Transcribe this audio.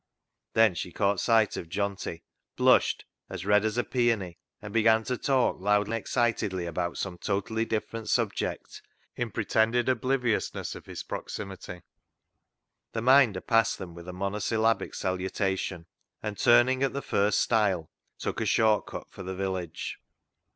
Then she caught sight of Johnty, blushed " as red as a peony," and began to talk loudly and excitedly about some totally dif ferent subject, in pretended obliviousness of his proximity. The Minder passed them with a mono syllabic salutation, and turning at the first stile, took a short cut for the village.